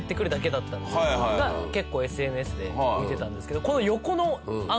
が結構ＳＮＳで見てたんですけど。